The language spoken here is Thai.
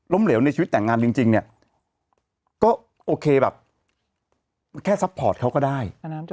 เหลวในชีวิตแต่งงานจริงเนี่ยก็โอเคแบบแค่ซัพพอร์ตเขาก็ได้